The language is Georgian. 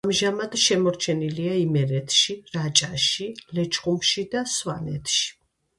ამჟამად შემორჩენილია იმერეთში, რაჭაში, ლეჩხუმში, სვანეთში.